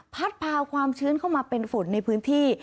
พาความชื้นเข้ามาเป็นฝนในพื้นที่